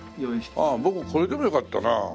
ああ僕これでもよかったな。